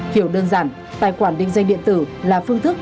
hiểu đơn giản tài khoản định danh điện tử là phương thức